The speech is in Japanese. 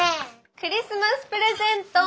クリスマスプレゼント！